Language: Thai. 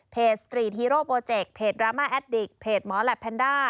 สตรีทฮีโร่โปรเจกต์เพจดราม่าแอดดิกเพจหมอแหลปแพนด้า